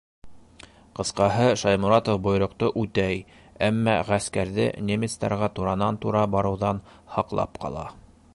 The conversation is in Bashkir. Ҡыҫҡаһы, Шайморатов бойороҡто үтәй, әммә ғәскәрҙе немецтарға туранан-тура барыуҙан һаҡлап ҡала.